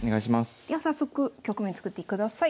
では早速局面作ってください。